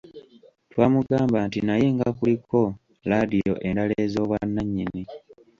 Twamugamba nti naye nga kuliko laadiyo endala ez'obwannanyini?